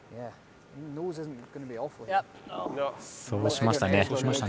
そうしました。